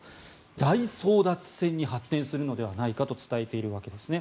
大争奪戦に発展するのではないかと伝えているんですね。